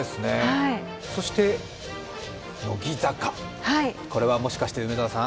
そして乃木坂、これはもしかして梅澤さん？